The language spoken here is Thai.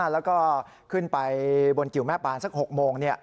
แล้วก็ขึ้นไปบนกิวแม่ปานสัก๖โมง